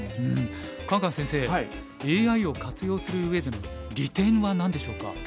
カンカン先生ＡＩを活用する上での利点は何でしょうか。